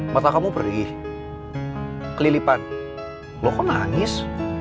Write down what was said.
mata kamu pergi kelilipan lo kok nangis